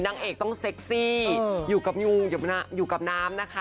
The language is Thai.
นางเอกต้องเซ็กซี่อยู่กับน้ำนะคะ